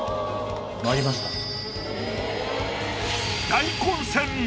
大混戦！